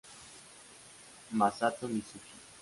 Masato Mizuki